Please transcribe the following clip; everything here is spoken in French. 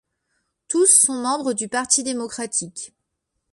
Tous sont membres du Parti démocratique.